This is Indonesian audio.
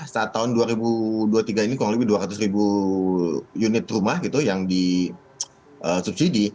saat tahun dua ribu dua puluh tiga ini kurang lebih dua ratus ribu unit rumah gitu yang disubsidi